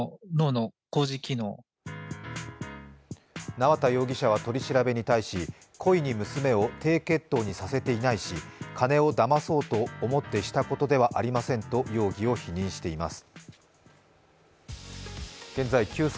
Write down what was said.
縄田容疑者は取り調べに対し故意に娘を低血糖にさせていないし金をだまそうと思ってしたことではありませんと、容疑を否認しています。